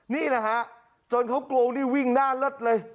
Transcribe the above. นี่แหละฮะจนเขากลัวหนี้วิ่งน่าเลิศเลย